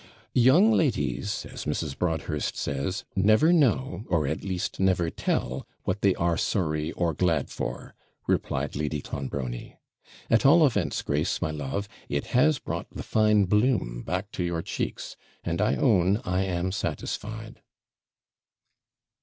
'Young ladies, as Mrs. Broadhurst says, "never know, or at least never tell, what they are sorry or glad for,"' replied Lady Clonbrony. 'At all events, Grace, my love, it has brought the fine bloom back to your cheeks; and I own I am satisfied.'